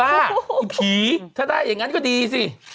ใครบ้าถี่ถ้าได้อย่างงั้นก็ดีสิ